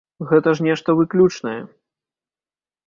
Гэта ж нешта выключнае.